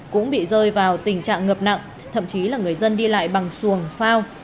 cũng bị rơi vào tình trạng ngập nặng thậm chí là người dân đi lại bằng xuồng phao